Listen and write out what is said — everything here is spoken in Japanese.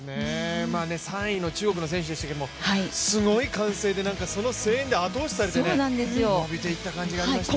３位の中国の選手でしたけれどもすごい歓声でその声援に後押しされて伸びていった感じがありましたね。